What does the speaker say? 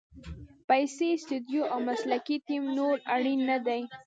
پیسې، سټوډیو او مسلکي ټیم نور اړین نه دي.